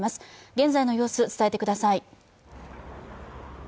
現在の様子、伝えてください。